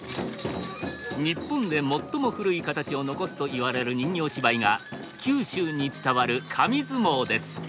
日本で最も古い形を残すといわれる人形芝居が九州に伝わる神相撲です。